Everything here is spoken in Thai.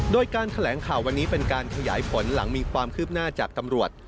โดยการแถลงข่าววันนี้เป็นการขยายผลหลังมีความคืบหน้าจากตำรวจ